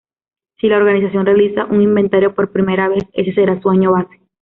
Si la organización realiza un inventario por primera vez, ese será su año base.